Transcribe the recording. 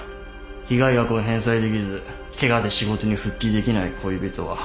被害額を返済できずケガで仕事に復帰できない恋人は自殺した。